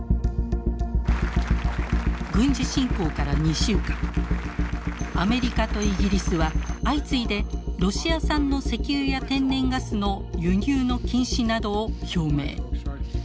軍事侵攻から２週間アメリカとイギリスは相次いでロシア産の石油や天然ガスの輸入の禁止などを表明。